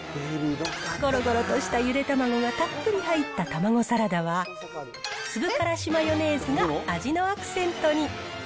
ごろごろとしたゆでたまごがたっぷり入ったたまごサラダは、粒からしマヨネーズが味のアクセントに。